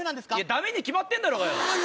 ダメに決まってんだろうがよ！